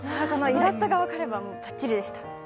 イラストが分かればばっちりでした。